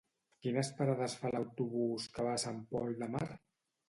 Quines parades fa l'autobús que va a Sant Pol de Mar?